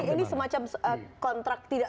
jadi ini semacam kontrak tidak